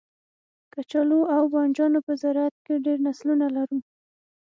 کچالو او بنجانو په زرعت کې ډیر نسلونه لرو